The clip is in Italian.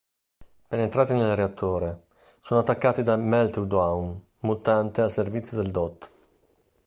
Penetrati nel reattore, sono attaccati da Meltdown, mutante al servizio del Dott.